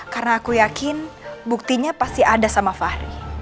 karena aku yakin buktinya pasti ada sama fahri